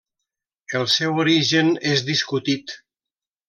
El seu origen és discutit.